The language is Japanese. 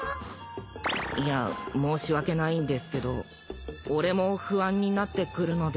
い申し訳ないんですけど俺も不安になってくるので。